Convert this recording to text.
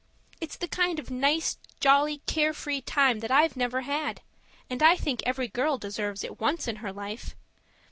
It's the kind of nice, jolly, care free time that I've never had; and I think every girl deserves it once in her life.